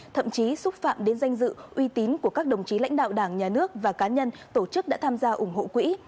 thậm chí xúc phạm đến danh dự uy tín của các đồng chí lãnh đạo đảng nhà nước và cá nhân tổ chức đã tham gia ủng hộ quỹ